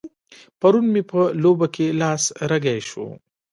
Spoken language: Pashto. پرون مې په لوبه کې لاس رګی شو.